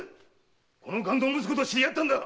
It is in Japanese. この勘当息子と知り合った？